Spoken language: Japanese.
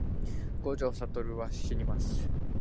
五条悟はしにます